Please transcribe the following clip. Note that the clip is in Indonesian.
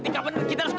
jangan mengerlam truth